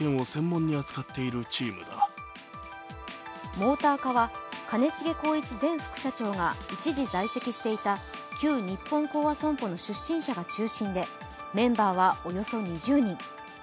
モーター課は兼重宏一前副社長が一時在籍していた旧日本興亜損保の出身者が中心で、メンバーはおよそ２０人。